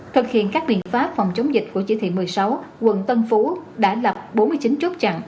thực hiện các biện pháp phòng chống dịch của chỉ thị một mươi sáu quận tân phú đã lập bốn mươi chín chốt chặn